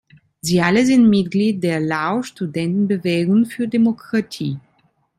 Sie alle sind Mitglied der Lao-Studentenbewegung für Demokratie.